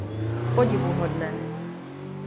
Podivuhodné!